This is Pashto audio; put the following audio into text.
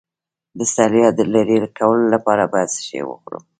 د ستړیا د لرې کولو لپاره باید څه شی وخورم؟